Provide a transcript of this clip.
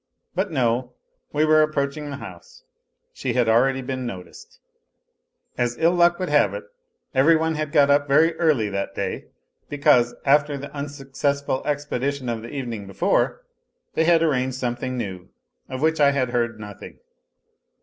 But no ! We were approaching the house ; she had already been noticed. ... As ill luck would have it every one had got up very early that day, because, after the unsuccessful expedition of the evening before, they had arranged something new, of which I had heard nothing.